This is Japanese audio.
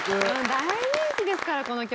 大人気ですからこの曲。